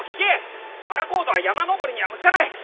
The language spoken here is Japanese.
パラコードは山登りには向かない。